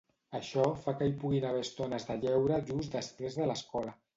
Això fa que hi puguin haver estones de lleure just després de l'escola.